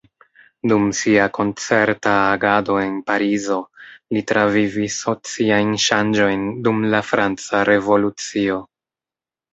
Dum sia koncerta agado en Parizo li travivis sociajn ŝanĝojn dum la franca revolucio.